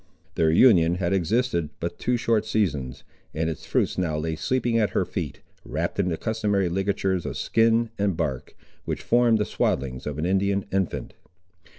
Their union had existed but two short seasons, and its fruits now lay sleeping at her feet, wrapped in the customary ligatures of skin and bark, which form the swaddlings of an Indian infant.